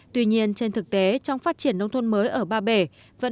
tuy nhiên trên thực tế trong phát triển nông thôn mới ở ba bể